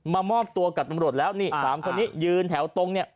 มามอบตัวกับประมะลดแล้วนี่๓คนนี่ยืนแถวตรงเนี่ย